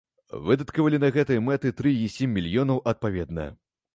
Выдаткавалі на гэтыя мэты тры і сем мільёнаў адпаведна.